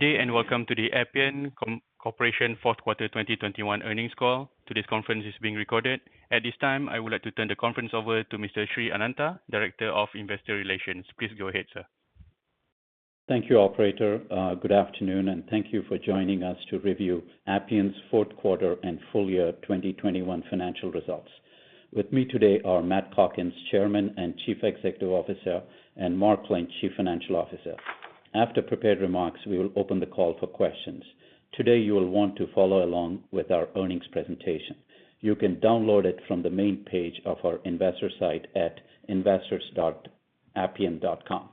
Good day, and welcome to the Appian Corporation fourth quarter 2021 earnings call. Today's conference is being recorded. At this time, I would like to turn the conference over to Mr. Srinivas Anantha, Director, Investor Relations. Please go ahead, sir. Thank you, operator. Good afternoon, and thank you for joining us to review Appian's fourth quarter and full year 2021 financial results. With me today are Matt Calkins, Chairman and Chief Executive Officer, and Mark Lynch, Chief Financial Officer. After prepared remarks, we will open the call for questions. Today, you will want to follow along with our earnings presentation. You can download it from the main page of our investor site at investors.appian.com.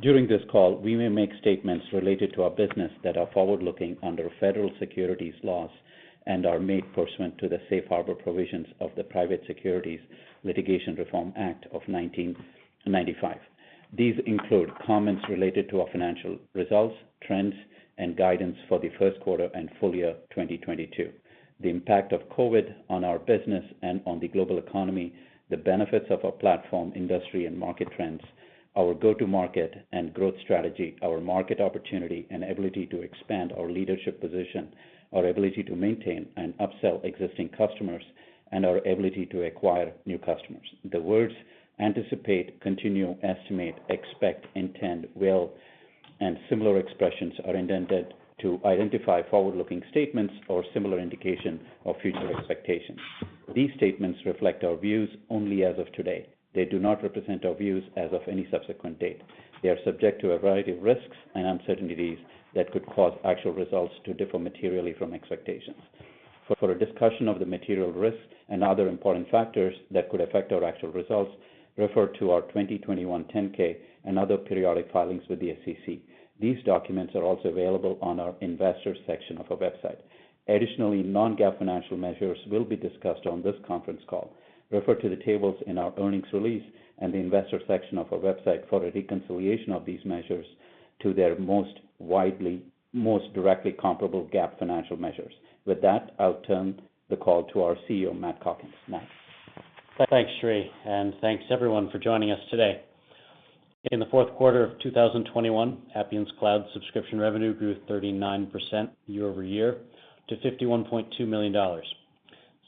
During this call, we may make statements related to our business that are forward-looking under federal securities laws and are made pursuant to the safe harbor provisions of the Private Securities Litigation Reform Act of 1995. These include comments related to our financial results, trends, and guidance for the first quarter and full year 2022, the impact of COVID on our business and on the global economy, the benefits of our platform, industry, and market trends, our go-to-market and growth strategy, our market opportunity and ability to expand our leadership position, our ability to maintain and upsell existing customers, and our ability to acquire new customers. The words anticipate, continue, estimate, expect, intend, will, and similar expressions are intended to identify forward-looking statements or similar indication of future expectations. These statements reflect our views only as of today. They do not represent our views as of any subsequent date. They are subject to a variety of risks and uncertainties that could cause actual results to differ materially from expectations. For a discussion of the material risks and other important factors that could affect our actual results, refer to our 2021 10-K and other periodic filings with the SEC. These documents are also available on our investors section of our website. Additionally, non-GAAP financial measures will be discussed on this conference call. Refer to the tables in our earnings release and the investor section of our website for a reconciliation of these measures to their most widely, most directly comparable GAAP financial measures. With that, I'll turn the call to our CEO, Matt Calkins. Matt. Thanks, Sri, and thanks, everyone, for joining us today. In the fourth quarter of 2021, Appian's cloud subscription revenue grew 39% year-over-year to $51.2 million.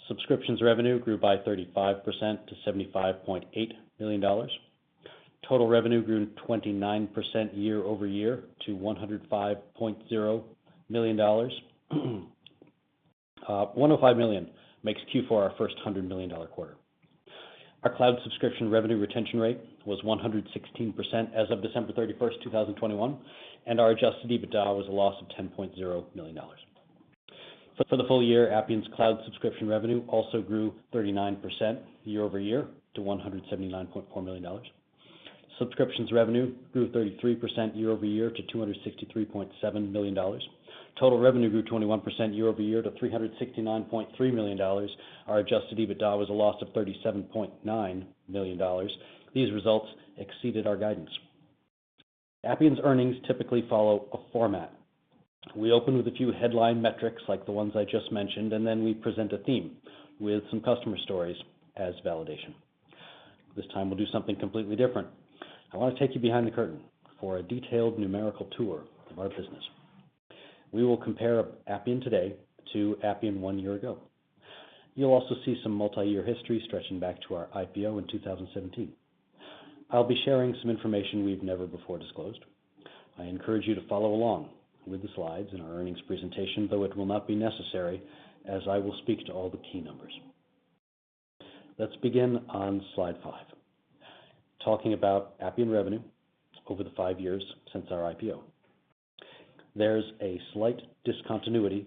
Subscriptions revenue grew by 35% to $75.8 million. Total revenue grew 29% year-over-year to $105.0 million. One oh five million makes Q4 our first $100 million quarter. Our cloud subscription revenue retention rate was 116% as of December 31, 2021, and our adjusted EBITDA was a loss of $10.0 million. For the full year, Appian's cloud subscription revenue also grew 39% year-over-year to $179.4 million. Subscriptions revenue grew 33% year-over-year to $263.7 million. Total revenue grew 21% year-over-year to $369.3 million. Our adjusted EBITDA was a loss of $37.9 million. These results exceeded our guidance. Appian's earnings typically follow a format. We open with a few headline metrics like the ones I just mentioned, and then we present a theme with some customer stories as validation. This time, we'll do something completely different. I want to take you behind the curtain for a detailed numerical tour of our business. We will compare Appian today to Appian one year ago. You'll also see some multi-year history stretching back to our IPO in 2017. I'll be sharing some information we've never before disclosed. I encourage you to follow along with the slides in our earnings presentation, though it will not be necessary as I will speak to all the key numbers. Let's begin on Slide 5, talking about Appian revenue over the five years since our IPO. There's a slight discontinuity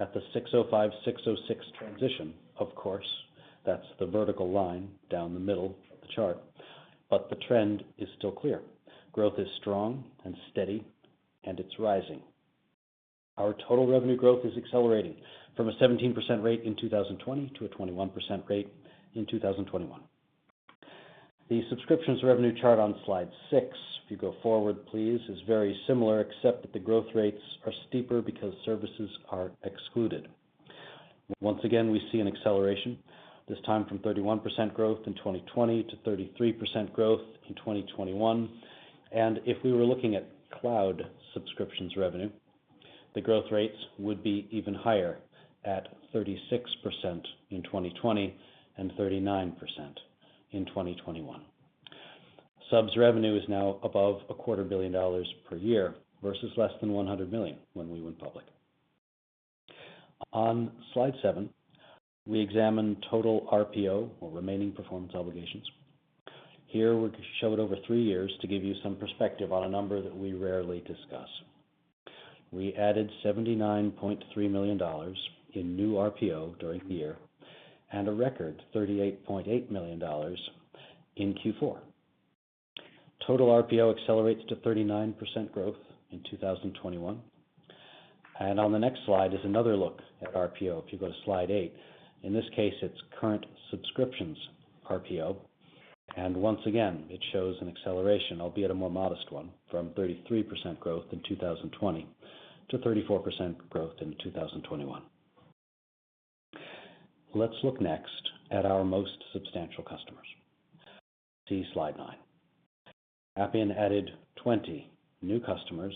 at the ASC 605, ASC 606 transition, of course, that's the vertical line down the middle of the chart, but the trend is still clear. Growth is strong and steady, and it's rising. Our total revenue growth is accelerating from a 17% rate in 2020 to a 21% rate in 2021. The subscriptions revenue chart on Slide 6, if you go forward, please, is very similar, except that the growth rates are steeper because services are excluded. Once again, we see an acceleration, this time from 31% growth in 2020 to 33% growth in 2021. If we were looking at cloud subscriptions revenue, the growth rates would be even higher at 36% in 2020 and 39% in 2021. Subs revenue is now above a quarter billion dollars per year versus less than $100 million when we went public. On Slide 7, we examine total RPO or Remaining Performance Obligations. Here we show it over three years to give you some perspective on a number that we rarely discuss. We added $79.3 million in new RPO during the year and a record $38.8 million in Q4. Total RPO accelerates to 39% growth in 2021. On the next slide is another look at RPO. If you go to Slide 8. In this case, it's current subscriptions RPO. Once again, it shows an acceleration, albeit a more modest one, from 33% growth in 2020 to 34% growth in 2021. Let's look next at our most substantial customers. See Slide 9. Appian added 20 new customers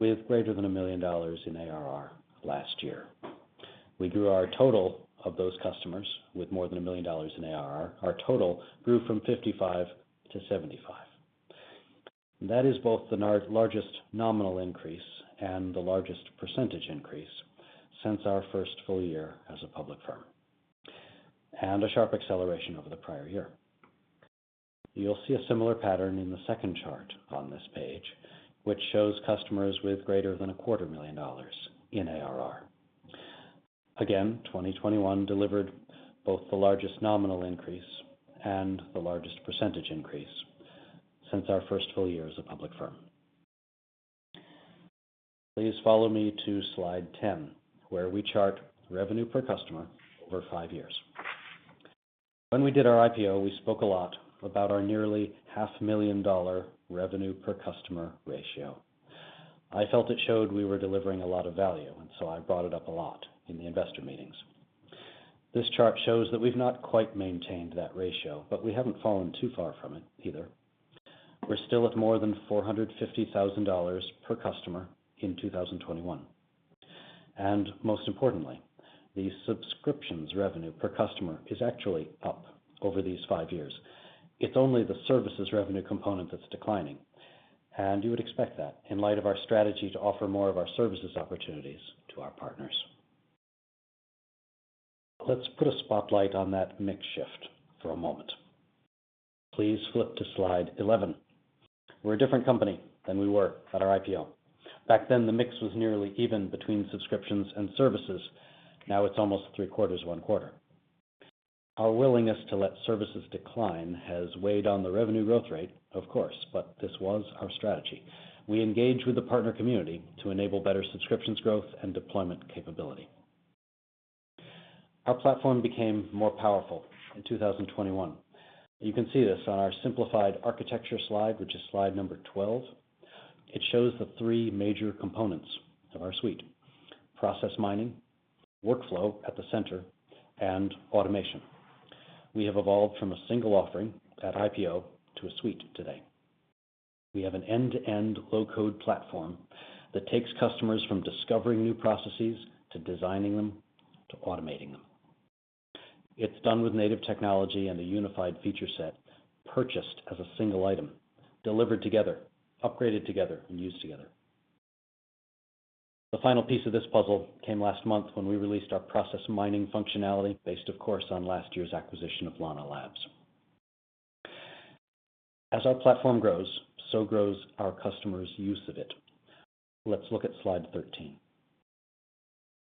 with greater than $1 million in ARR last year. We grew our total of those customers with more than $1 million in ARR. Our total grew from 55-75. That is both the largest nominal increase and the largest percentage increase since our first full year as a public firm, and a sharp acceleration over the prior year. You'll see a similar pattern in the second chart on this page, which shows customers with greater than a quarter million dollars in ARR. 2021 delivered both the largest nominal increase and the largest percentage increase since our first full year as a public firm. Please follow me to Slide 10, where we chart revenue per customer over five years. When we did our IPO, we spoke a lot about our nearly half million dollar revenue per customer ratio. I felt it showed we were delivering a lot of value, and so I brought it up a lot in the investor meetings. This chart shows that we've not quite maintained that ratio, but we haven't fallen too far from it either. We're still at more than $450,000 per customer in 2021. Most importantly, the subscriptions revenue per customer is actually up over these five years. It's only the services revenue component that's declining, and you would expect that in light of our strategy to offer more of our services opportunities to our partners. Let's put a spotlight on that mix shift for a moment. Please flip to Slide 11. We're a different company than we were at our IPO. Back then, the mix was nearly even between subscriptions and services. Now it's almost three-quarters, one quarter. Our willingness to let services decline has weighed on the revenue growth rate, of course, but this was our strategy. We engage with the partner community to enable better subscriptions growth and deployment capability. Our platform became more powerful in 2021. You can see this on our simplified architecture slide, which is Slide Number 12. It shows the three major components of our suite, process mining, workflow at the center, and automation. We have evolved from a single offering at IPO to a suite today. We have an end-to-end low-code platform that takes customers from discovering new processes to designing them, to automating them. It's done with native technology and a unified feature set purchased as a single item, delivered together, upgraded together, and used together. The final piece of this puzzle came last month when we released our process mining functionality based, of course, on last year's acquisition of Lana Labs. As our platform grows, so grows our customers' use of it. Let's look at Slide 13.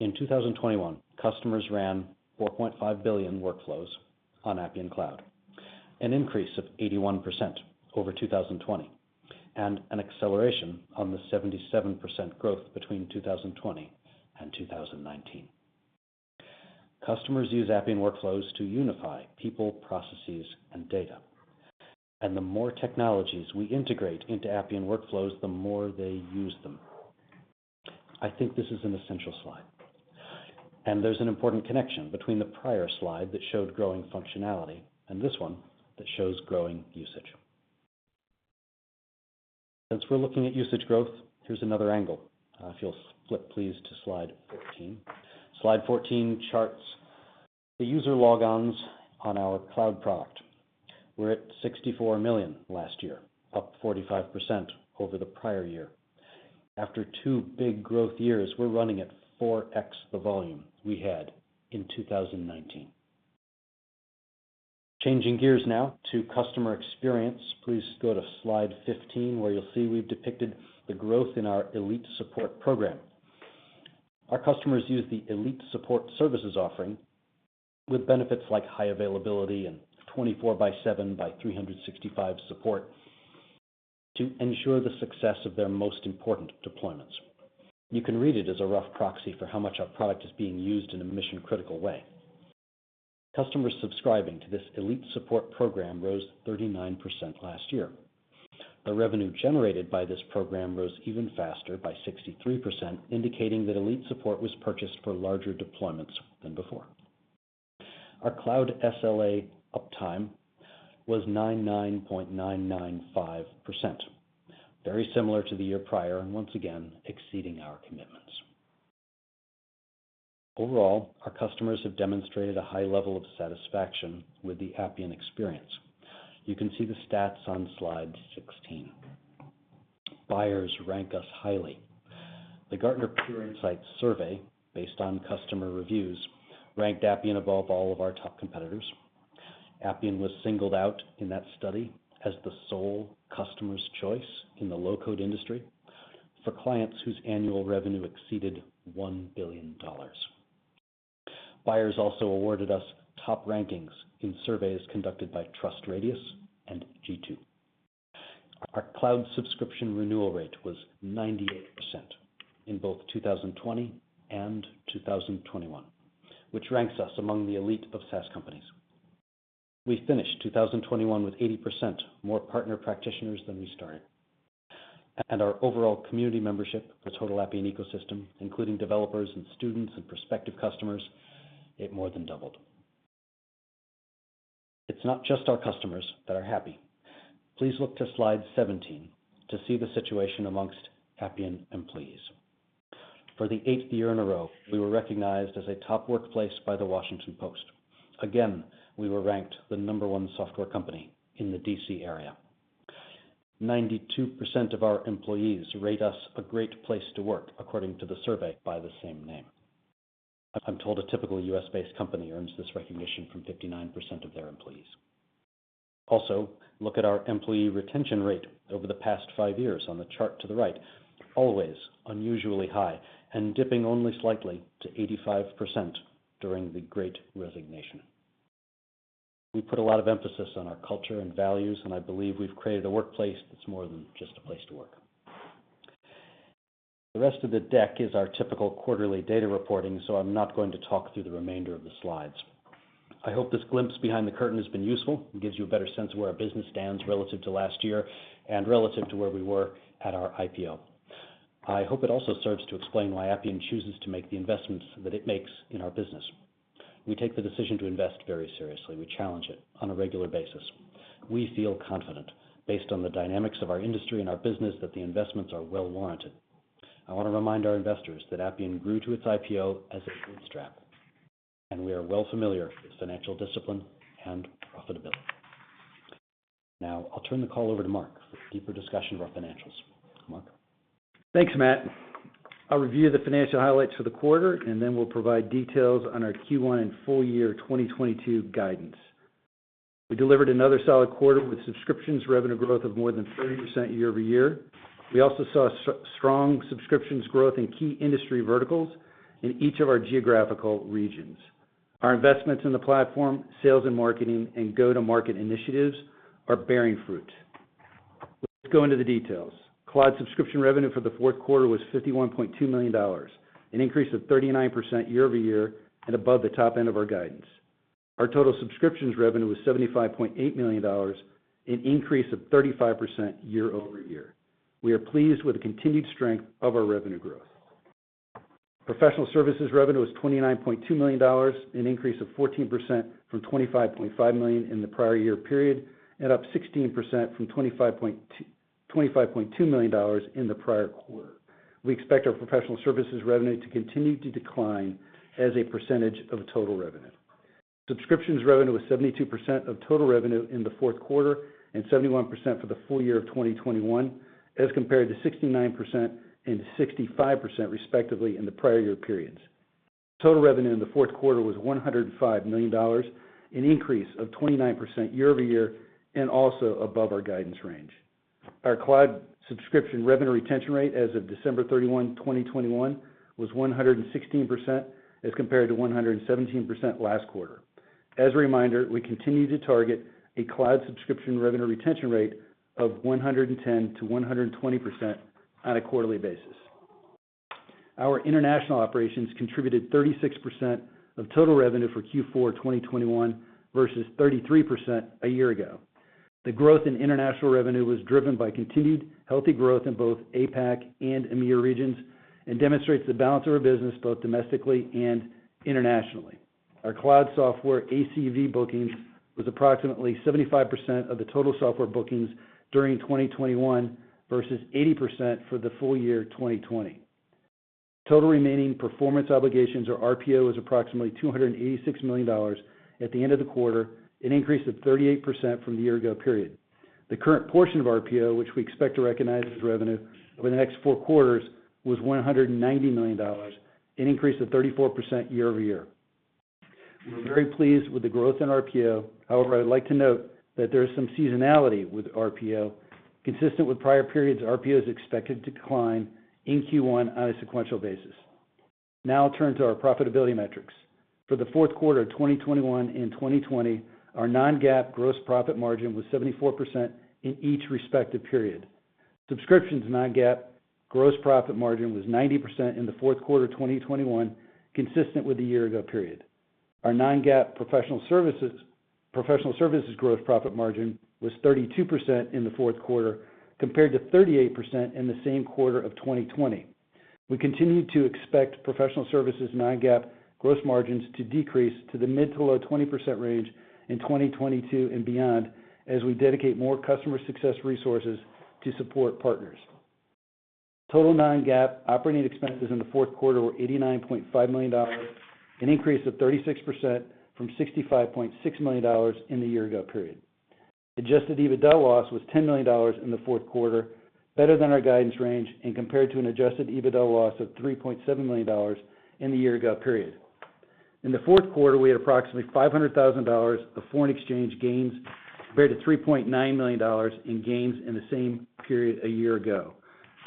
In 2021, customers ran 4.5 billion workflows on Appian Cloud, an increase of 81% over 2020, and an acceleration on the 77% growth between 2020 and 2019. Customers use Appian Workflows to unify people, processes, and data. The more technologies we integrate into Appian Workflows, the more they use them. I think this is an essential slide, and there's an important connection between the prior slide that showed growing functionality and this one that shows growing usage. Since we're looking at usage growth, here's another angle. If you'll flip, please, to Slide 14. Slide 14 charts the user logons on our cloud product. We're at 64 million last year, up 45% over the prior year. After two big growth years, we're running at 4x the volume we had in 2019. Changing gears now to customer experience. Please go to Slide 15, where you'll see we've depicted the growth in our elite support program. Our customers use the elite support services offering with benefits like high availability and 24/7/365 support to ensure the success of their most important deployments. You can read it as a rough proxy for how much our product is being used in a mission-critical way. Customers subscribing to this elite support program rose 39% last year. Our revenue generated by this program rose even faster, by 63%, indicating that elite support was purchased for larger deployments than before. Our cloud SLA uptime was 99.995%, very similar to the year prior and once again, exceeding our commitments. Overall, our customers have demonstrated a high level of satisfaction with the Appian experience. You can see the stats on Slide 16. Buyers rank us highly. The Gartner Peer Insights survey, based on customer reviews, ranked Appian above all of our top competitors. Appian was singled out in that study as the sole customer's choice in the low-code industry for clients whose annual revenue exceeded $1 billion. Buyers also awarded us top rankings in surveys conducted by TrustRadius and G2. Our cloud subscription renewal rate was 98% in both 2020 and 2021, which ranks us among the elite of SaaS companies. We finished 2021 with 80% more partner practitioners than we started. Our overall community membership, the total Appian ecosystem, including developers and students and prospective customers, it more than doubled. It's not just our customers that are happy. Please look to Slide 17 to see the situation amongst Appian employees. For the eighth year in a row, we were recognized as a top workplace by The Washington Post. Again, we were ranked the Number 1 software company in the D.C. area. 92% of our employees rate us a great place to work according to the survey by the same name. I'm told a typical U.S.-based company earns this recognition from 59% of their employees. Look at our employee retention rate over the past five years on the chart to the right, always unusually high and dipping only slightly to 85% during the Great Resignation. We put a lot of emphasis on our culture and values, and I believe we've created a workplace that's more than just a place to work. The rest of the deck is our typical quarterly data reporting, so I'm not going to talk through the remainder of the slides. I hope this glimpse behind the curtain has been useful and gives you a better sense of where our business stands relative to last year and relative to where we were at our IPO. I hope it also serves to explain why Appian chooses to make the investments that it makes in our business. We take the decision to invest very seriously. We challenge it on a regular basis. We feel confident based on the dynamics of our industry and our business that the investments are well warranted. I want to remind our investors that Appian grew to its IPO as a bootstrap, and we are well familiar with financial discipline and profitability. Now, I'll turn the call over to Mark for a deeper discussion of our financials. Mark. Thanks, Matt. I'll review the financial highlights for the quarter, and then we'll provide details on our Q1 and full year 2022 guidance. We delivered another solid quarter with subscriptions revenue growth of more than 30% year-over-year. We also saw strong subscriptions growth in key industry verticals in each of our geographical regions. Our investments in the platform, sales and marketing, and go-to-market initiatives are bearing fruit. Let's go into the details. Cloud subscription revenue for the fourth quarter was $51.2 million, an increase of 39% year-over-year and above the top end of our guidance. Our total subscriptions revenue was $75.8 million, an increase of 35% year-over-year. We are pleased with the continued strength of our revenue growth. Professional services revenue was $29.2 million, an increase of 14% from $25.5 million in the prior year period, and up 16% from $25.2 million in the prior quarter. We expect our professional services revenue to continue to decline as a percentage of total revenue. Subscriptions revenue was 72% of total revenue in the fourth quarter and 71% for the full year of 2021, as compared to 69% and 65% respectively in the prior year periods. Total revenue in the fourth quarter was $105 million, an increase of 29% year-over-year and also above our guidance range. Our cloud subscription revenue retention rate as of December 31, 2021 was 116%, as compared to 117% last quarter. As a reminder, we continue to target a cloud subscription revenue retention rate of 110%-120% on a quarterly basis. Our international operations contributed 36% of total revenue for Q4 2021 versus 33% a year ago. The growth in international revenue was driven by continued healthy growth in both APAC and EMEIA regions and demonstrates the balance of our business, both domestically and internationally. Our cloud software ACV bookings was approximately 75% of the total software bookings during 2021 versus 80% for the full year 2020. Total remaining performance obligations or RPO was approximately $286 million at the end of the quarter, an increase of 38% from the year ago period. The current portion of RPO, which we expect to recognize as revenue over the next four quarters, was $190 million, an increase of 34% year-over-year. We're very pleased with the growth in RPO. However, I would like to note that there is some seasonality with RPO. Consistent with prior periods, RPO is expected to decline in Q1 on a sequential basis. Now turn to our profitability metrics. For the fourth quarter of 2021 and 2020, our non-GAAP gross profit margin was 74% in each respective period. Subscriptions non-GAAP gross profit margin was 90% in the fourth quarter of 2021, consistent with the year ago period. Our non-GAAP professional services gross profit margin was 32% in the fourth quarter compared to 38% in the same quarter of 2020. We continue to expect professional services non-GAAP gross margins to decrease to the mid-to low-20% range in 2022 and beyond as we dedicate more customer success resources to support partners. Total non-GAAP operating expenses in the fourth quarter were $89.5 million, an increase of 36% from $65.6 million in the year ago period. Adjusted EBITDA loss was $10 million in the fourth quarter, better than our guidance range and compared to an adjusted EBITDA loss of $3.7 million in the year ago period. In the fourth quarter, we had approximately $500,000 of foreign exchange gains compared to $3.9 million in gains in the same period a year ago.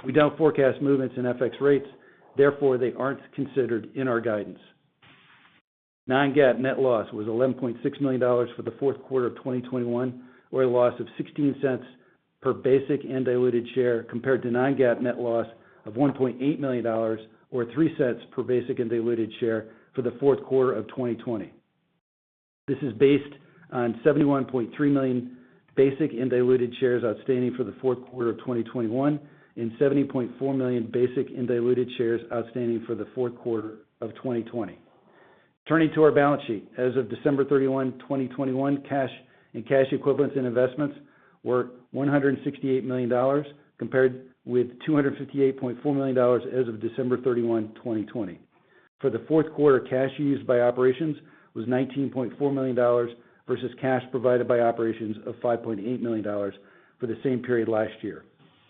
We don't forecast movements in FX rates, therefore, they aren't considered in our guidance. Non-GAAP net loss was $11.6 million for the fourth quarter of 2021, or a loss of $0.16 per basic and diluted share compared to non-GAAP net loss of $1.8 million or $0.03 per basic and diluted share for the fourth quarter of 2020. This is based on 71.3 million basic and diluted shares outstanding for the fourth quarter of 2021, and 70.4 million basic and diluted shares outstanding for the fourth quarter of 2020. Turning to our balance sheet. As of December 31, 2021, cash and cash equivalents and investments were $168 million, compared with $258.4 million as of December 31, 2020. For the fourth quarter, cash used by operations was $19.4 million versus cash provided by operations of $5.8 million for the same period last year.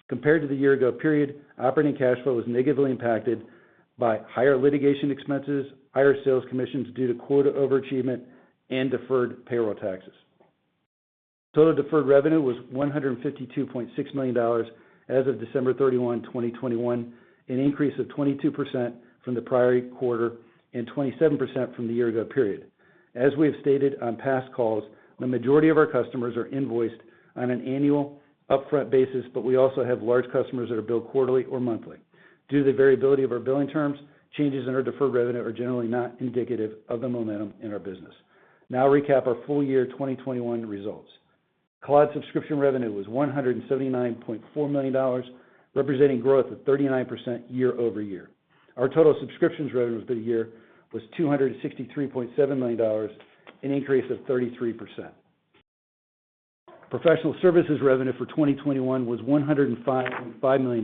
Compared to the year ago period, operating cash flow was negatively impacted by higher litigation expenses, higher sales commissions due to quota overachievement and deferred payroll taxes. Total deferred revenue was $152.6 million as of December 31, 2021, an increase of 22% from the prior quarter and 27% from the year ago period. As we have stated on past calls, the majority of our customers are invoiced on an annual upfront basis, but we also have large customers that are billed quarterly or monthly. Due to the variability of our billing terms, changes in our deferred revenue are generally not indicative of the momentum in our business. Now I'll recap our full year 2021 results. Cloud subscription revenue was $179.4 million, representing growth of 39% year-over-year. Our total subscriptions revenue for the year was $263.7 million, an increase of 33%. Professional services revenue for 2021 was $105.5 million,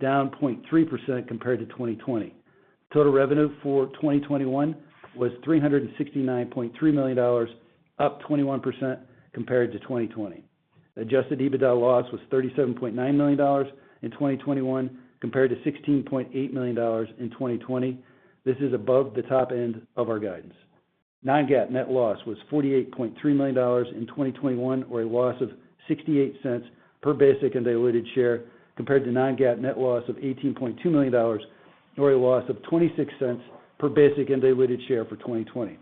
down 0.3% compared to 2020. Total revenue for 2021 was $369.3 million, up 21% compared to 2020. Adjusted EBITDA loss was $37.9 million in 2021 compared to $16.8 million in 2020. This is above the top end of our guidance. Non-GAAP net loss was $48.3 million in 2021, or a loss of $0.68 per basic and diluted share, compared to non-GAAP net loss of $18.2 million, or a loss of $0.26 per basic and diluted share for 2020.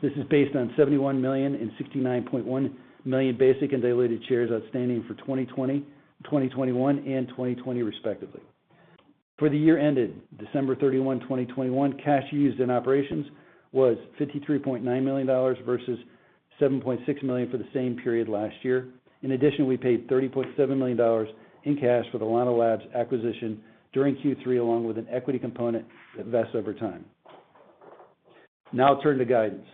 This is based on 71 million and 69.1 million basic and diluted shares outstanding for 2020, 2021 and 2020 respectively. For the year ended December 31, 2021, cash used in operations was $53.9 million versus $7.6 million for the same period last year. In addition, we paid $30.7 million in cash for the Lana Labs acquisition during Q3, along with an equity component that vests over time. Now I'll turn to guidance.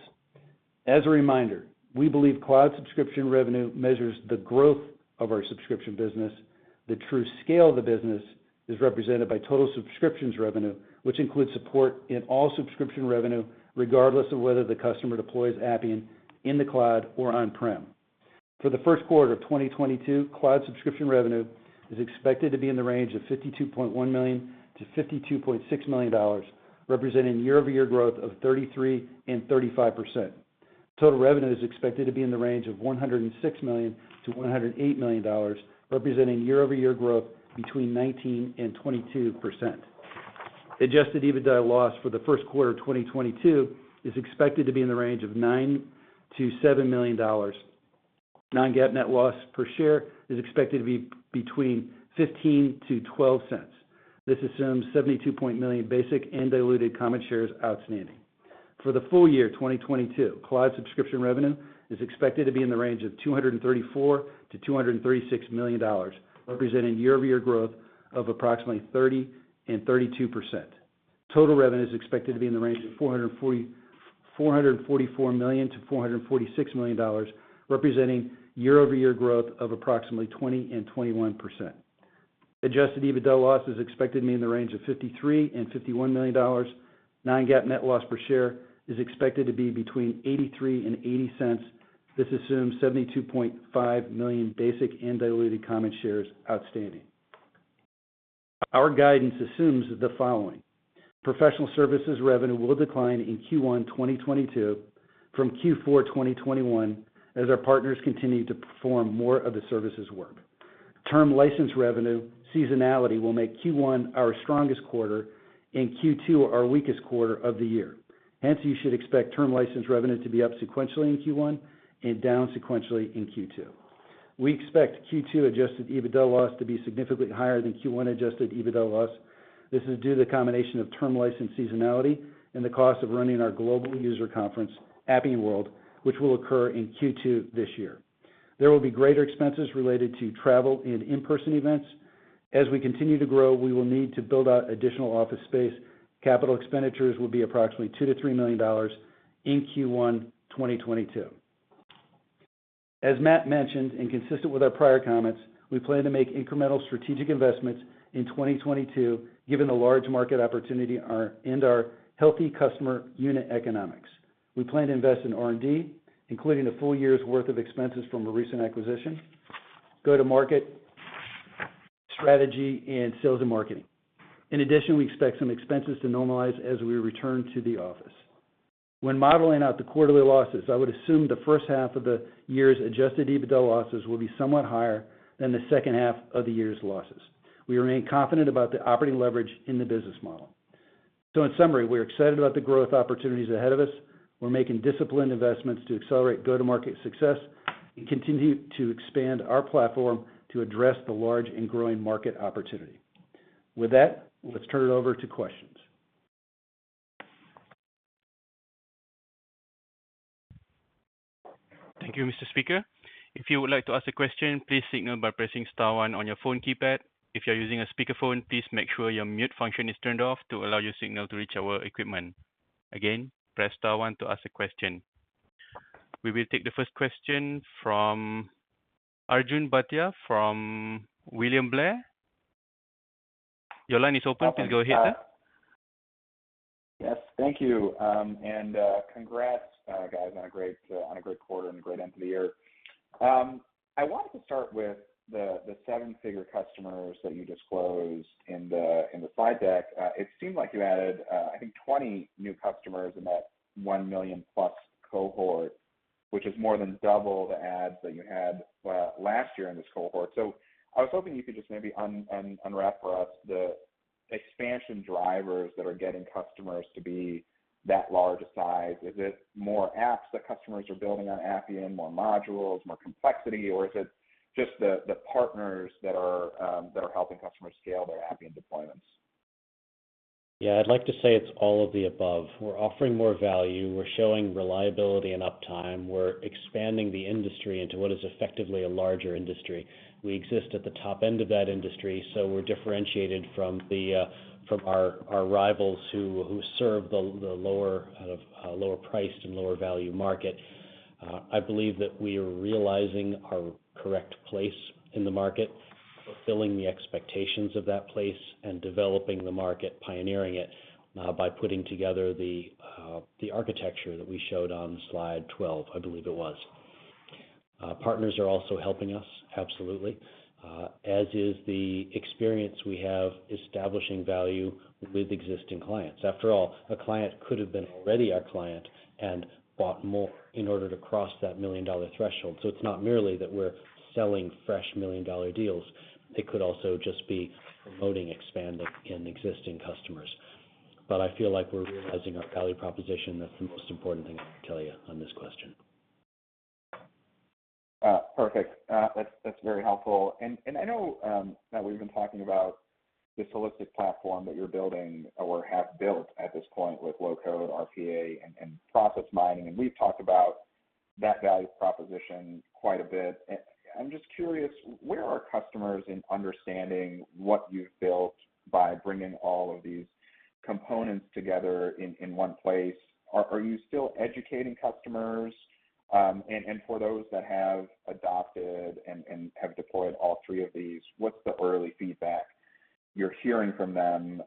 As a reminder, we believe cloud subscription revenue measures the growth of our subscription business. The true scale of the business is represented by total subscriptions revenue, which includes support in all subscription revenue, regardless of whether the customer deploys Appian in the cloud or on-prem. For the first quarter of 2022, cloud subscription revenue is expected to be in the range of $52.1 million-$52.6 million, representing year-over-year growth of 33%-35%. Total revenue is expected to be in the range of $106 million-$108 million, representing year-over-year growth between 19% and 22%. Adjusted EBITDA loss for the first quarter of 2022 is expected to be in the range of $9 million-$7 million. Non-GAAP net loss per share is expected to be between $0.15-$0.12. This assumes 72 million basic and diluted common shares outstanding. For the full year 2022, cloud subscription revenue is expected to be in the range of $234 million-$236 million, representing year-over-year growth of approximately 30%-32%. Total revenue is expected to be in the range of $444 million-$446 million, representing year-over-year growth of approximately 20%-21%. Adjusted EBITDA loss is expected to be in the range of $51 million-$53 million. Non-GAAP net loss per share is expected to be between $0.83 and $0.80. This assumes 72.5 million basic and diluted common shares outstanding. Our guidance assumes the following. Professional services revenue will decline in Q1 2022 from Q4 2021 as our partners continue to perform more of the services work. Term license revenue seasonality will make Q1 our strongest quarter and Q2 our weakest quarter of the year. Hence, you should expect term license revenue to be up sequentially in Q1 and down sequentially in Q2. We expect Q2 adjusted EBITDA loss to be significantly higher than Q1 adjusted EBITDA loss. This is due to the combination of term license seasonality and the cost of running our global user conference, Appian World, which will occur in Q2 this year. There will be greater expenses related to travel and in-person events. As we continue to grow, we will need to build out additional office space. Capital expenditures will be approximately $2 million-$3 million in Q1, 2022. As Matt mentioned, and consistent with our prior comments, we plan to make incremental strategic investments in 2022, given the large market opportunity and our healthy customer unit economics. We plan to invest in R&D, including a full year's worth of expenses from a recent acquisition, go-to-market strategy, and sales and marketing. In addition, we expect some expenses to normalize as we return to the office. When modeling out the quarterly losses, I would assume the first half of the year's adjusted EBITDA losses will be somewhat higher than the second half of the year's losses. We remain confident about the operating leverage in the business model. In summary, we're excited about the growth opportunities ahead of us. We're making disciplined investments to accelerate go-to-market success and continue to expand our platform to address the large and growing market opportunity. With that, let's turn it over to questions. Thank you, Mr. Speaker. If you would like to ask a question, please signal by pressing star one on your phone keypad. If you're using a speakerphone, please make sure your mute function is turned off to allow your signal to reach our equipment. Again, press star one to ask a question. We will take the first question from Arjun Bhatia from William Blair. Your line is open. Please go ahead, sir. Yes, thank you. Congrats, guys, on a great quarter and a great end to the year. I wanted to start with the seven-figure customers that you disclosed in the slide deck. It seemed like you added, I think 20 new customers in that 1 million+ cohort, which is more than double the adds that you had, well, last year in this cohort. I was hoping you could just maybe unwrap for us the expansion drivers that are getting customers to be that large a size. Is it more apps that customers are building on Appian, more modules, more complexity, or is it just the partners that are helping customers scale their Appian deployments? Yeah, I'd like to say it's all of the above. We're offering more value. We're showing reliability and uptime. We're expanding the industry into what is effectively a larger industry. We exist at the top end of that industry, so we're differentiated from our rivals who serve the lower kind of lower priced and lower value market. I believe that we are realizing our correct place in the market, fulfilling the expectations of that place and developing the market, pioneering it, by putting together the architecture that we showed on Slide 12, I believe it was. Partners are also helping us, absolutely, as is the experience we have establishing value with existing clients. After all, a client could have been already our client and bought more in order to cross that million-dollar threshold. It's not merely that we're selling fresh million-dollar deals. It could also just be promoting expansion in existing customers. I feel like we're realizing our value proposition. That's the most important thing I can tell you on this question. Perfect. That's very helpful. I know, Matt, we've been talking about this holistic platform that you're building or have built at this point with low-code RPA and process mining, and we've talked about that value proposition quite a bit. I'm just curious, where are customers in understanding what you've built by bringing all of these components together in one place? Are you still educating customers? For those that have adopted and have deployed all three of these, what's the early feedback you're hearing from them,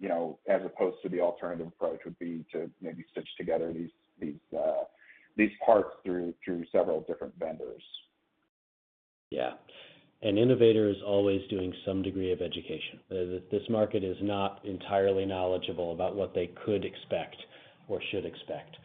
you know, as opposed to the alternative approach would be to maybe stitch together these parts through several different vendors? Yeah. An innovator is always doing some degree of education. This market is not entirely knowledgeable about what they could expect or should expect.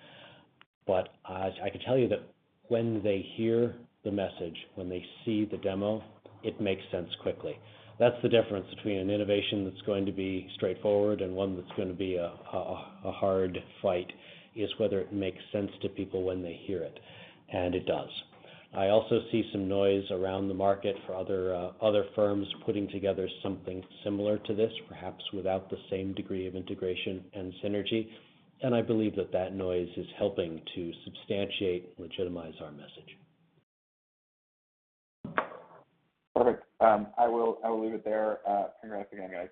I can tell you that when they hear the message, when they see the demo, it makes sense quickly. That's the difference between an innovation that's going to be straightforward and one that's gonna be a hard fight, is whether it makes sense to people when they hear it, and it does. I also see some noise around the market for other firms putting together something similar to this, perhaps without the same degree of integration and synergy, and I believe that noise is helping to substantiate and legitimize our message. Perfect. I will leave it there. Congrats again, guys.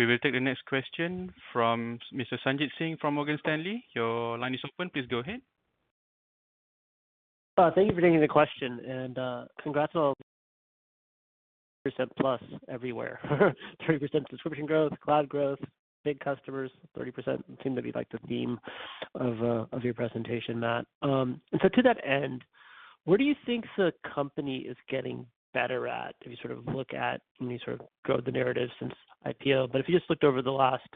We will take the next question from Mr. Sanjit Singh from Morgan Stanley. Your line is open. Please go ahead. Thank you for taking the question, and congrats on 30%+ everywhere. 30% subscription growth, cloud growth, big customers. 30% seemed to be like the theme of your presentation, Matt. To that end, where do you think the company is getting better at as you sort of look at when you sort of grow the narrative since IPO? If you just looked over the last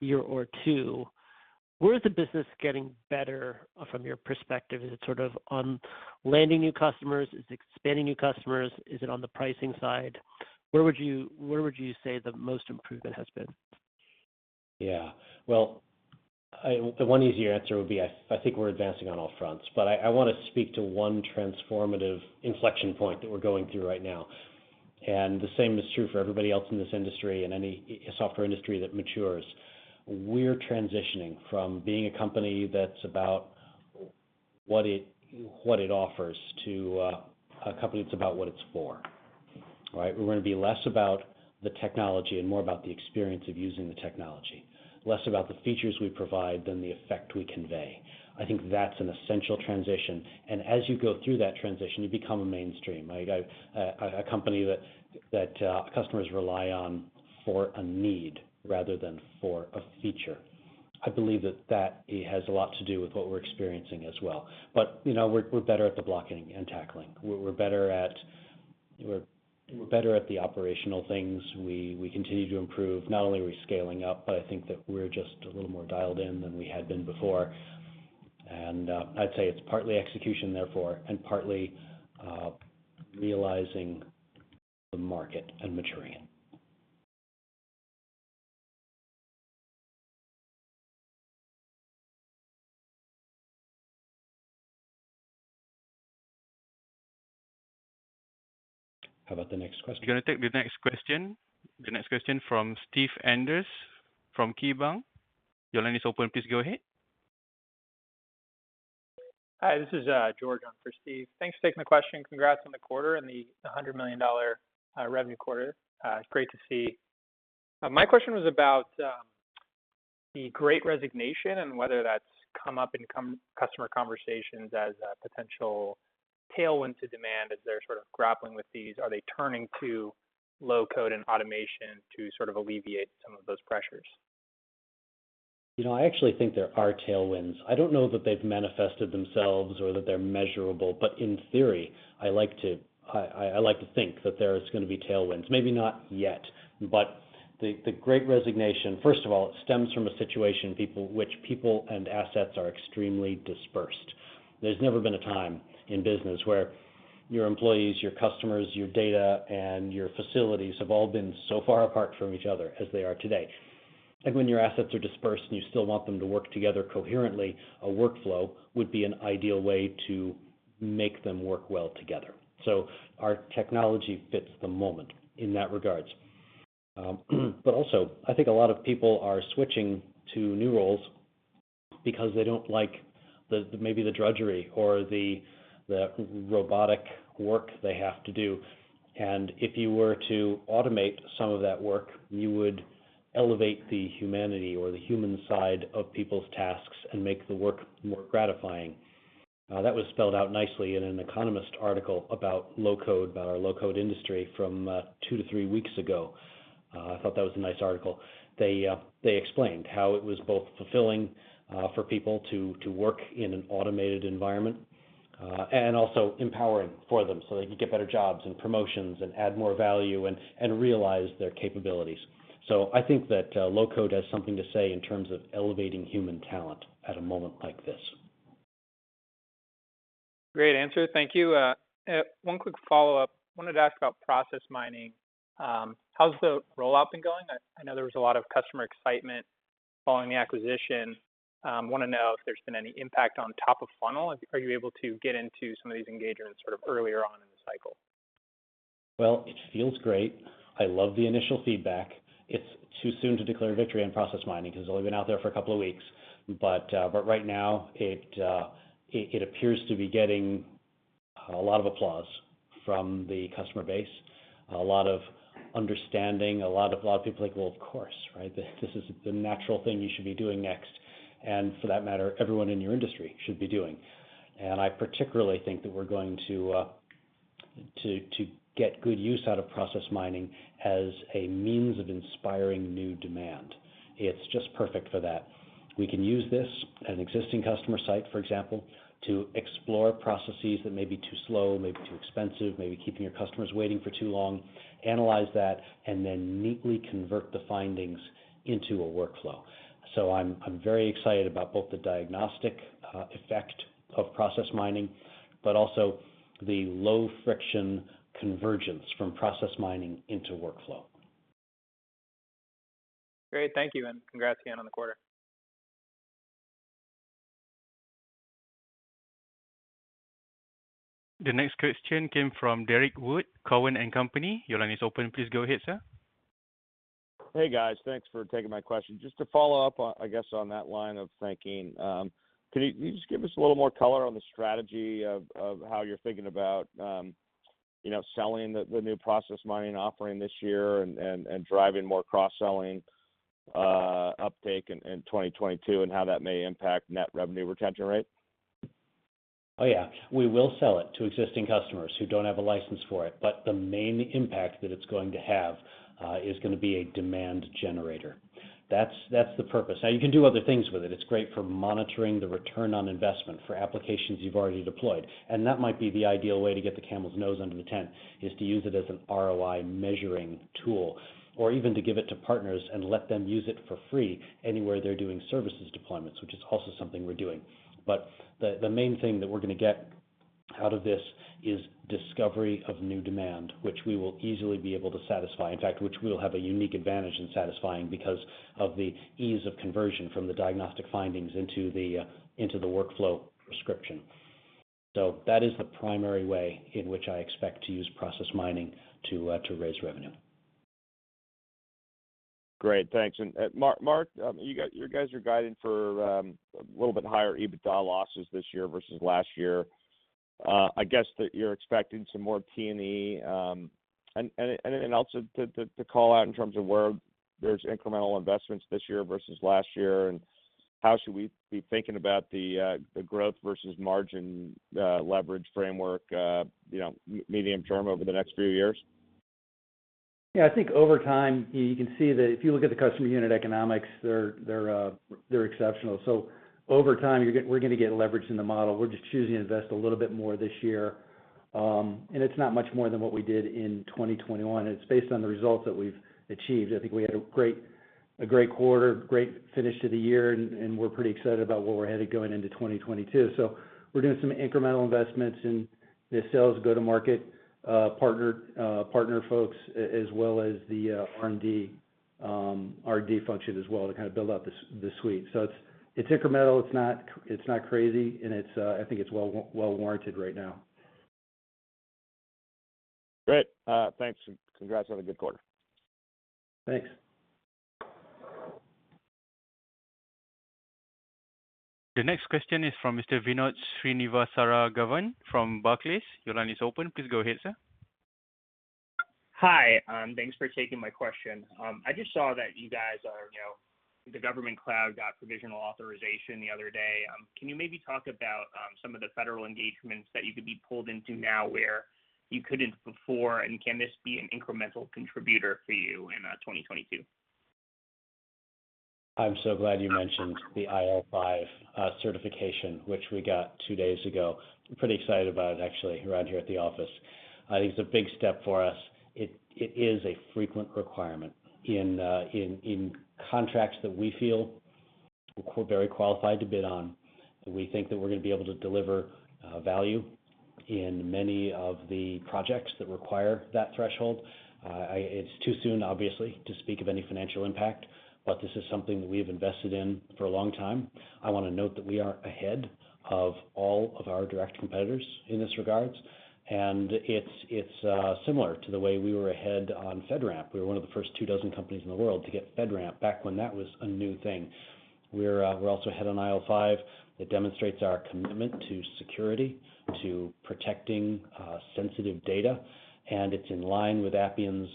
year or two, where is the business getting better from your perspective? Is it sort of on landing new customers? Is it expanding new customers? Is it on the pricing side? Where would you say the most improvement has been? Yeah. Well, the one easy answer would be I think we're advancing on all fronts, but I wanna speak to one transformative inflection point that we're going through right now. The same is true for everybody else in this industry and any software industry that matures. We're transitioning from being a company that's about what it offers to a company that's about what it's for. All right. We're gonna be less about the technology and more about the experience of using the technology. Less about the features we provide than the effect we convey. I think that's an essential transition, and as you go through that transition, you become a mainstream. Like a company that customers rely on for a need rather than for a feature. I believe that that has a lot to do with what we're experiencing as well. But, you know, we're better at the blocking and tackling. We're better at the operational things. We continue to improve. Not only are we scaling up, but I think that we're just a little more dialed in than we had been before. I'd say it's partly execution therefore, and partly realizing the market and maturing it. How about the next question? We're gonna take the next question. The next question from Steve Enders from KeyBanc Capital Markets. Your line is open. Please go ahead. Hi, this is George on for Steve. Thanks for taking the question. Congrats on the quarter and the $100 million revenue quarter. It's great to see. My question was about the Great Resignation and whether that's come up in customer conversations as a potential tailwind to demand as they're sort of grappling with these. Are they turning to low-code and automation to sort of alleviate some of those pressures? You know, I actually think there are tailwinds. I don't know that they've manifested themselves or that they're measurable, but in theory, I like to think that there is gonna be tailwinds. Maybe not yet, but the Great Resignation, first of all, stems from a situation in which people and assets are extremely dispersed. There's never been a time in business where your employees, your customers, your data, and your facilities have all been so far apart from each other as they are today. I think when your assets are dispersed and you still want them to work together coherently, a workflow would be an ideal way to make them work well together. Our technology fits the moment in that regard. I think a lot of people are switching to new roles because they don't like the, maybe the drudgery or the robotic work they have to do. If you were to automate some of that work, you would elevate the humanity or the human side of people's tasks and make the work more gratifying. That was spelled out nicely in a The Economist article about low-code, about our low-code industry from two to three weeks ago. I thought that was a nice article. They explained how it was both fulfilling for people to work in an automated environment and also empowering for them so they could get better jobs and promotions and add more value and realize their capabilities. I think that low-code has something to say in terms of elevating human talent at a moment like this. Great answer. Thank you. One quick follow-up. I wanted to ask about process mining. How's the rollout been going? I know there was a lot of customer excitement following the acquisition. Wanna know if there's been any impact on top of funnel. Are you able to get into some of these engagements sort of earlier on in the cycle? Well, it feels great. I love the initial feedback. It's too soon to declare victory on process mining because it's only been out there for a couple of weeks. Right now, it appears to be getting a lot of applause from the customer base, a lot of understanding, a lot of people are like, "Well, of course, right? This is the natural thing you should be doing next, and for that matter, everyone in your industry should be doing." I particularly think that we're going to get good use out of process mining as a means of inspiring new demand. It's just perfect for that. We can use this at an existing customer site, for example, to explore processes that may be too slow, may be too expensive, may be keeping your customers waiting for too long, analyze that, and then neatly convert the findings into a workflow. I'm very excited about both the diagnostic effect of process mining, but also the low friction convergence from process mining into workflow. Great. Thank you, and congrats again on the quarter. The next question came from Derrick Wood, Cowen and Company. Your line is open. Please go ahead, sir. Hey, guys. Thanks for taking my question. Just to follow up on, I guess, on that line of thinking, can you just give us a little more color on the strategy of how you're thinking about, you know, selling the new process mining offering this year and driving more cross-selling uptake in 2022, and how that may impact net revenue retention rate? Oh, yeah. We will sell it to existing customers who don't have a license for it, but the main impact that it's going to have is gonna be a demand generator. That's the purpose. Now, you can do other things with it. It's great for monitoring the return on investment for applications you've already deployed, and that might be the ideal way to get the camel's nose under the tent, is to use it as an ROI measuring tool, or even to give it to partners and let them use it for free anywhere they're doing services deployments, which is also something we're doing. The main thing that we're gonna get out of this is discovery of new demand, which we will easily be able to satisfy, in fact, which we'll have a unique advantage in satisfying because of the ease of conversion from the diagnostic findings into the workflow prescription. That is the primary way in which I expect to use process mining to raise revenue. Great. Thanks. Mark, you guys are guiding for a little bit higher EBITDA losses this year versus last year. I guess that you're expecting some more T&E, and anything else to call out in terms of where there's incremental investments this year versus last year, and how should we be thinking about the growth versus margin leverage framework, you know, medium term over the next few years? Yeah. I think over time, you can see that if you look at the customer unit economics, they're exceptional. Over time, we're gonna get leverage in the model. We're just choosing to invest a little bit more this year. It's not much more than what we did in 2021. It's based on the results that we've achieved. I think we had a great quarter, great finish to the year, and we're pretty excited about where we're pretty excited about where we're headed going into 2022. We're doing some incremental investments in the sales, go-to-market, partner folks, as well as the R&D function as well to kind of build out the suite. It's incremental, it's not crazy, and I think it's well-warranted right now. Great. Thanks, and congrats on a good quarter. Thanks. The next question is from Mr. Vinod Srinivasaraghavan from Barclays. Your line is open. Please go ahead, sir. Hi, thanks for taking my question. I just saw that you guys are, you know, the government cloud got provisional authorization the other day. Can you maybe talk about some of the federal engagements that you could be pulled into now where you couldn't before? Can this be an incremental contributor for you in 2022? I'm so glad you mentioned the IL5 certification, which we got two days ago. I'm pretty excited about it actually around here at the office. I think it's a big step for us. It is a frequent requirement in contracts that we feel we're very qualified to bid on, that we think that we're gonna be able to deliver value in many of the projects that require that threshold. It's too soon, obviously, to speak of any financial impact, but this is something that we have invested in for a long time. I wanna note that we are ahead of all of our direct competitors in this regards. It's similar to the way we were ahead on FedRAMP. We were one of the first two dozen companies in the world to get FedRAMP back when that was a new thing. We're also ahead on IL5. It demonstrates our commitment to security, to protecting sensitive data, and it's in line with Appian's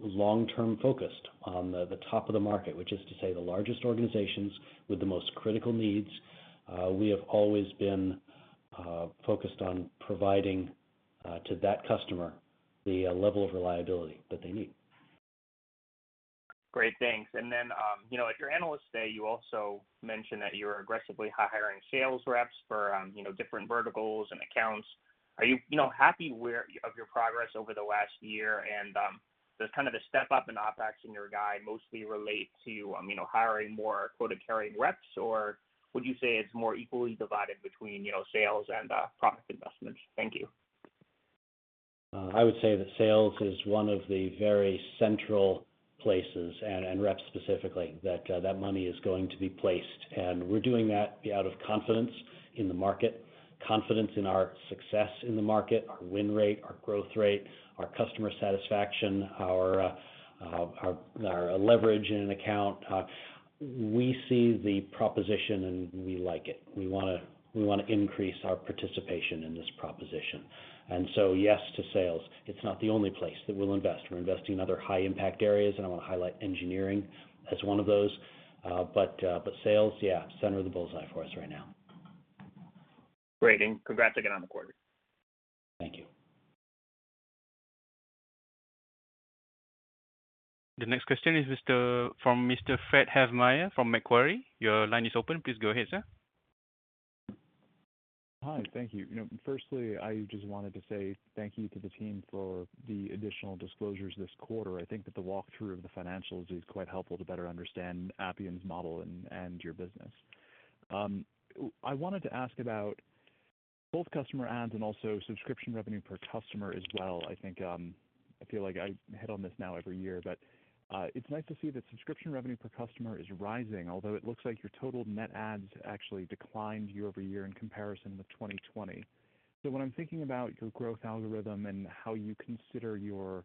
long-term focus on the top of the market, which is to say the largest organizations with the most critical needs. We have always been focused on providing to that customer the level of reliability that they need. Great. Thanks. Then, you know, at your analyst day, you also mentioned that you're aggressively hiring sales reps for, you know, different verticals and accounts. Are you know, happy with your progress over the last year? Does kind of the step up in OpEx in your guide mostly relate to, you know, hiring more quota-carrying reps, or would you say it's more equally divided between, you know, sales and, product investments? Thank you. I would say that sales is one of the very central places, and reps specifically, that money is going to be placed. We're doing that out of confidence in the market, confidence in our success in the market, our win rate, our growth rate, our customer satisfaction, our leverage in an account. We see the proposition and we like it. We wanna increase our participation in this proposition. Yes to sales. It's not the only place that we'll invest. We're investing in other high impact areas, and I wanna highlight engineering as one of those. Sales, yeah, center of the bull's eye for us right now. Great. Congrats again on the quarter. Thank you. The next question is from Mr. Fred Havemeyer from Macquarie. Your line is open. Please go ahead, sir. Hi. Thank you. You know, firstly, I just wanted to say thank you to the team for the additional disclosures this quarter. I think that the walkthrough of the financials is quite helpful to better understand Appian's model and your business. I wanted to ask about both customer adds and also subscription revenue per customer as well. I think I feel like I hit on this now every year, but it's nice to see that subscription revenue per customer is rising, although it looks like your total net adds actually declined year-over-year in comparison with 2020. When I'm thinking about your growth algorithm and how you consider your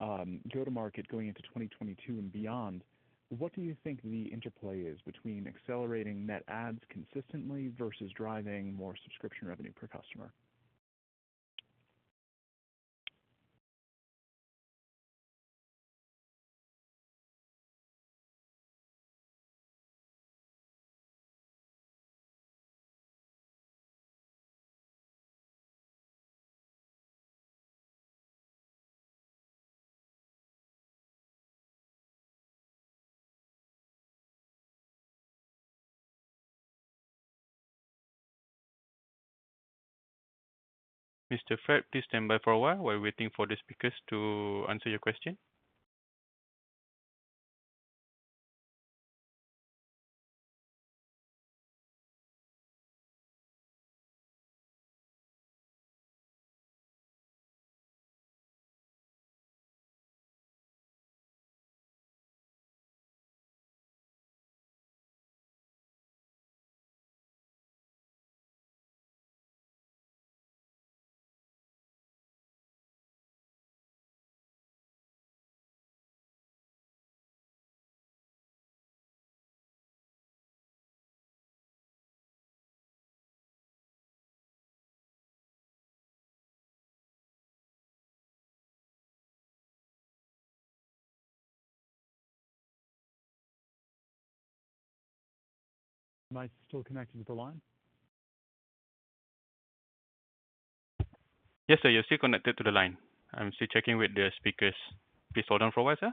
go-to-market going into 2022 and beyond, what do you think the interplay is between accelerating net adds consistently versus driving more subscription revenue per customer? Mr. Fred, please stand by for a while. We're waiting for the speakers to answer your question. Am I still connected to the line? Yes, sir. You're still connected to the line. I'm still checking with the speakers. Please hold on for a while, sir.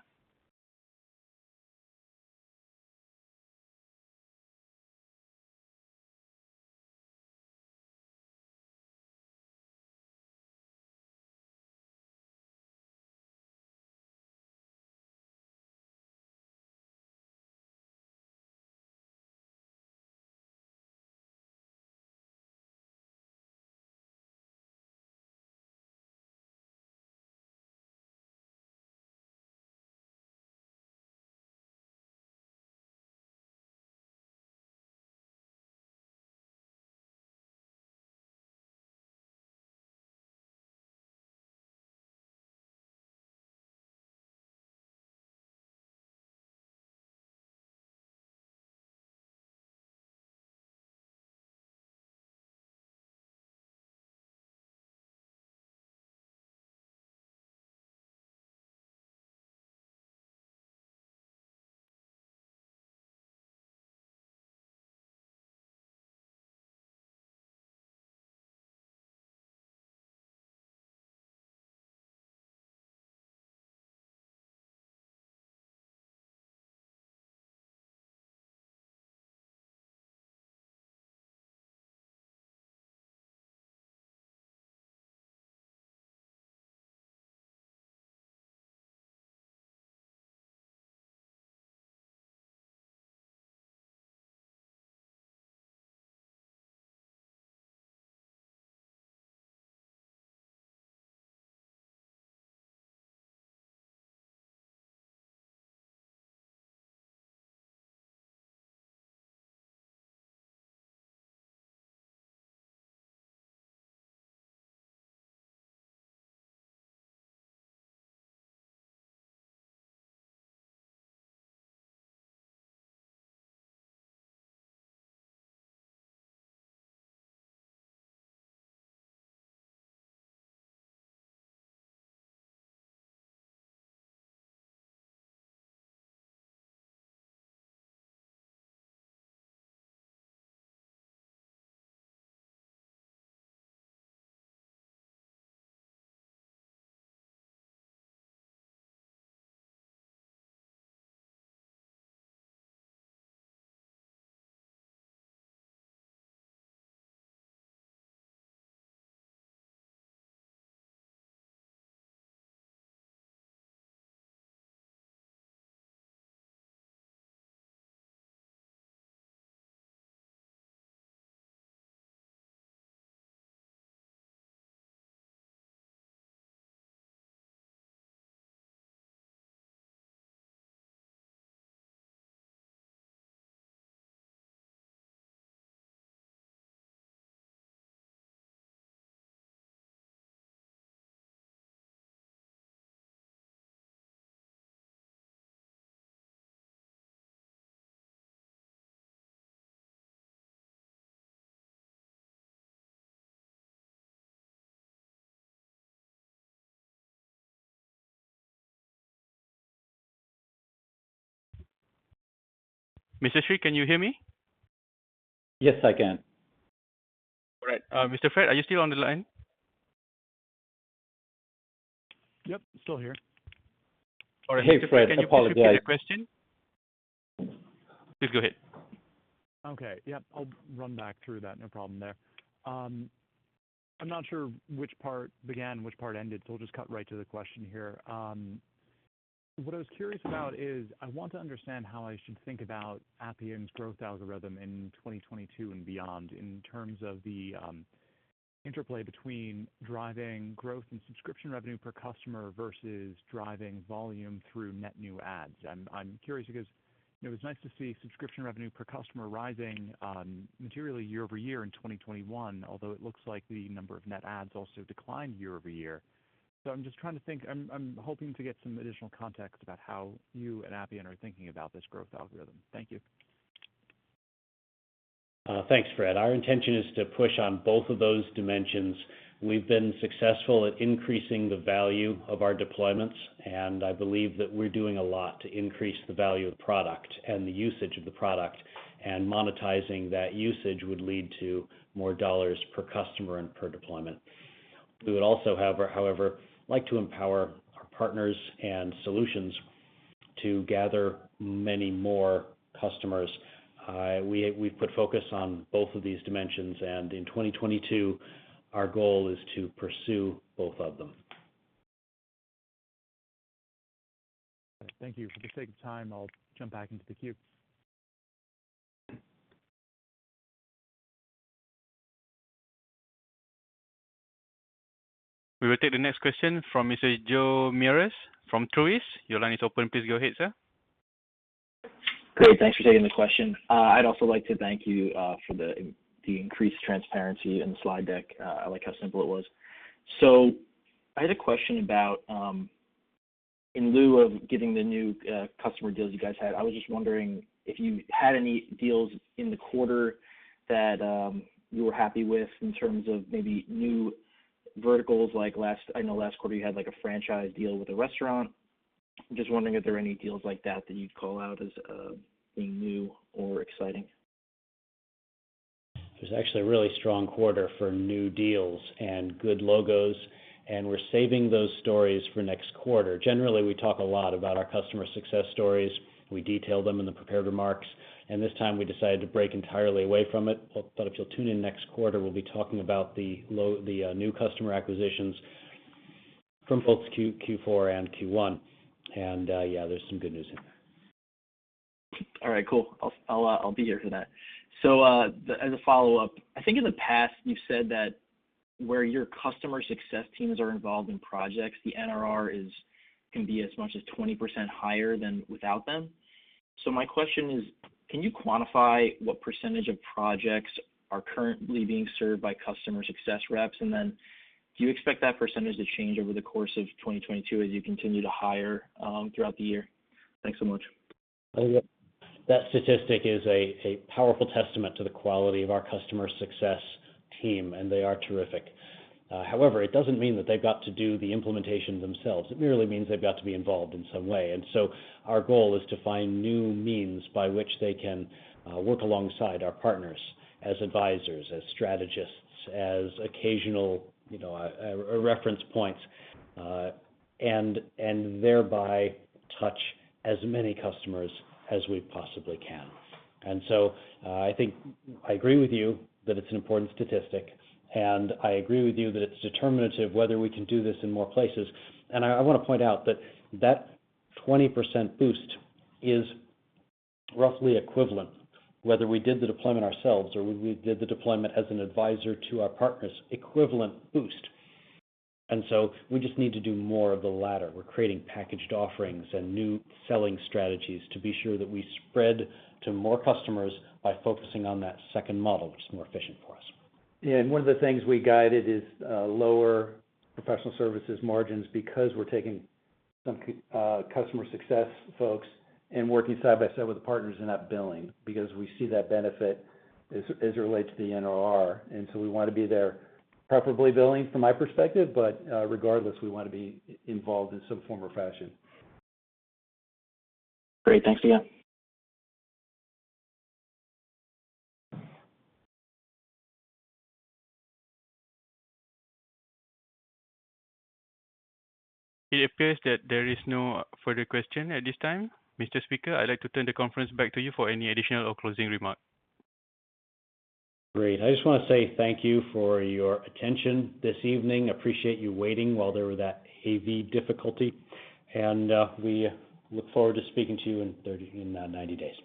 Mr. Sir, can you hear me? Yes, I can. All right. Mr. Fred, are you still on the line? Yep, still here. Sorry. Hey, Fred. Can you repeat your question? Please go ahead. Okay. Yep, I'll run back through that. No problem there. I'm not sure which part began, which part ended, so I'll just cut right to the question here. What I was curious about is I want to understand how I should think about Appian's growth algorithm in 2022 and beyond in terms of the interplay between driving growth and subscription revenue per customer versus driving volume through net new adds. I'm curious because, you know, it's nice to see subscription revenue per customer rising materially year-over-year in 2021, although it looks like the number of net adds also declined year-over-year. I'm just trying to think. I'm hoping to get some additional context about how you and Appian are thinking about this growth algorithm. Thank you. Thanks, Fred. Our intention is to push on both of those dimensions. We've been successful at increasing the value of our deployments, and I believe that we're doing a lot to increase the value of product and the usage of the product, and monetizing that usage would lead to more dollars per customer and per deployment. We would also, however, like to empower our partners and solutions to gather many more customers. We've put focus on both of these dimensions, and in 2022, our goal is to pursue both of them. Thank you. For the sake of time, I'll jump back into the queue. We will take the next question from Mr. Joe Meares from Truist. Your line is open. Please go ahead, sir. Great. Thanks for taking the question. I'd also like to thank you for the increased transparency in the slide deck. I like how simple it was. I had a question about, in lieu of getting the new customer deals you guys had, I was just wondering if you had any deals in the quarter that you were happy with in terms of maybe new verticals like last quarter you had, like, a franchise deal with a restaurant. Just wondering if there are any deals like that that you'd call out as being new or exciting. It was actually a really strong quarter for new deals and good logos, and we're saving those stories for next quarter. Generally, we talk a lot about our customer success stories. We detail them in the prepared remarks, and this time we decided to break entirely away from it. If you'll tune in next quarter, we'll be talking about the new customer acquisitions from both Q4 and Q1. Yeah, there's some good news in there. All right, cool. I'll be here for that. As a follow-up, I think in the past you've said that where your customer success teams are involved in projects, the NRR can be as much as 20% higher than without them. My question is, can you quantify what percentage of projects are currently being served by customer success reps? Then do you expect that percentage to change over the course of 2022 as you continue to hire throughout the year? Thanks so much. That statistic is a powerful testament to the quality of our customer success team, and they are terrific. However, it doesn't mean that they've got to do the implementation themselves. It merely means they've got to be involved in some way. Our goal is to find new means by which they can work alongside our partners as advisors, as strategists, as occasional, you know, reference points, and thereby touch as many customers as we possibly can. I think I agree with you that it's an important statistic, and I agree with you that it's determinative whether we can do this in more places. I wanna point out that that 20% boost is roughly equivalent, whether we did the deployment ourselves or we did the deployment as an advisor to our partners. Equivalent boost. We just need to do more of the latter. We're creating packaged offerings and new selling strategies to be sure that we spread to more customers by focusing on that second model, which is more efficient for us. Yeah. One of the things we guided is lower professional services margins because we're taking some customer success folks and working side by side with the partners in that billing because we see that benefit as it relates to the NRR. We wanna be there preferably billing from my perspective, but regardless, we wanna be involved in some form or fashion. Great. Thanks again. It appears that there is no further question at this time. Mr. Speaker, I'd like to turn the conference back to you for any additional or closing remarks. Great. I just want to say thank you for your attention this evening. I appreciate you waiting while there were that AV difficulty, and we look forward to speaking to you in 90-days.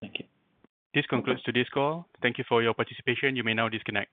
Thank you. This concludes today's call. Thank you for your participation. You may now disconnect.